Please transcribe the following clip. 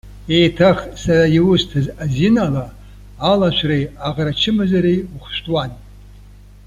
Еиҭах, сара иусҭаз азин ала, алашәреи аӷра чымазареи ухәышәтәуан.